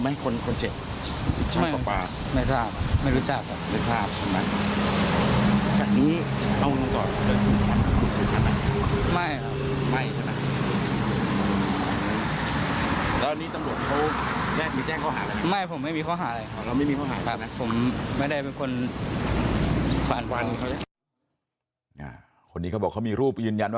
เหมือนคนคนเจ็บไม่รู้จับไม่รู้จับ